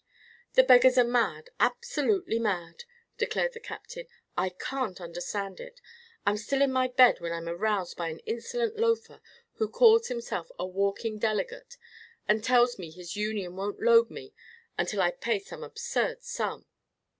"The beggars are mad, absolutely mad," declared the Captain. "I can't understand it. I'm still in my bed when I'm aroused by an insolent loafer who calls himself a walking delegate and tells me his union won't load me until I pay some absurd sum."